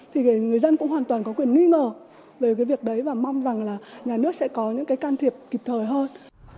thì người dân cũng hoàn toàn có quyền nghi ngờ về cái việc đấy và mong rằng là nhà nước sẽ có những cái can thiệp kịp thời hơn